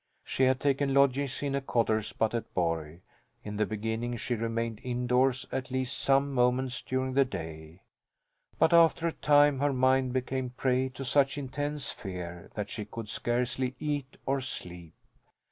She had taken lodgings in a cotter's but at Borg. In the beginning she remained indoors at least some moments during the day, but after a time her mind became prey to such intense fear that she could scarcely eat or sleep.